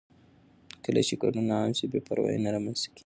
کله چې ګډون عام شي، بې پروايي نه رامنځته کېږي.